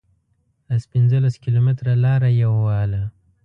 لس پنځلس کیلومتره لار یې ووهله.